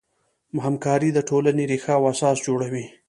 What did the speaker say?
همکاري د ټولنې ریښه او اساس جوړوي.